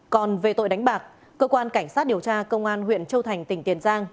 còn về tội đánh bạc cơ quan cảnh sát điều tra công an huyện châu thành tỉnh tiền giang